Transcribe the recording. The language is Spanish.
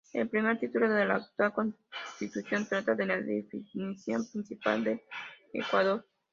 El primer título de la actual constitución trata de la definición principal del Ecuador.